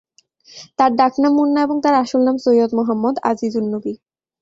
তার ডাক নাম মুন্না এবং তার আসল নাম সৈয়দ মোহাম্মদ আজিজ-উন-নবী।